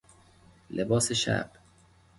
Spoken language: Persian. لباس شب